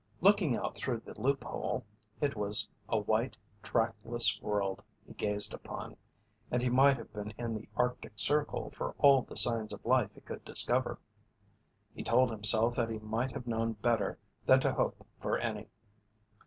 Looking out through the loop hole, it was a white, tractless world he gazed upon, and he might have been in the Arctic Circle for all the signs of life he could discover. He told himself that he might have known better than to hope for any.